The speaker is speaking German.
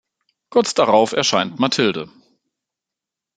Kurz darauf erscheint Mathilde.